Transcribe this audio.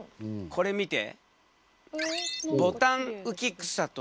これ見て。